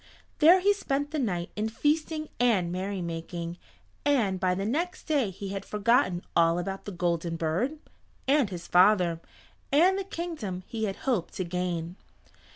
There he spent the night in feasting and merry making, and by the next day he had forgotten all about the Golden Bird, and his father, and the kingdom he had hoped to gain.